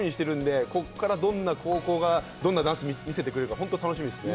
どんな高校がどんなダンスを見せてくれるのか楽しみですよ。